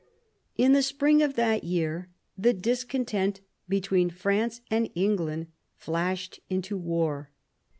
In the spring of that year the discontent between France and England flashed out into war.